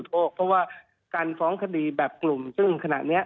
โทษเพราะว่าการฟ้องคดีแบบกลุ่มซึ่งขณะนี้